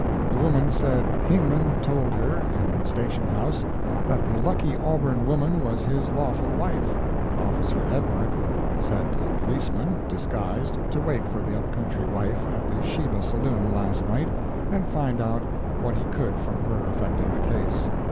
The woman said Hingman told her, in the station house, that the lucky Auburn woman was his lawful wife. Officer Evrard sent a policeman, disguised, to wait for the up country wife at the Sheba Saloon, last night, and find out what he could from her affecting the case.